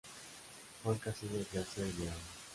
Juan Casillas García de León.